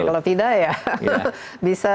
kalau tidak ya bisa